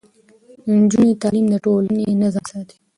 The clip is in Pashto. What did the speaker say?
د نجونو تعليم د ټولنې نظم ساتي.